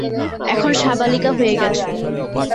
এখন সাবালিকা হয়ে গেছো।